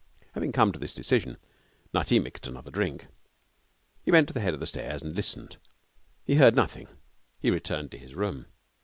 Having come to this decision, Nutty mixed another drink. He went to the head of the stairs and listened. He heard nothing. He returned to his room.